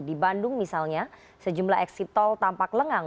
di bandung misalnya sejumlah eksit tol tampak lengang